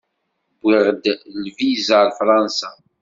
Wwiɣ-d lviza ar Fransa.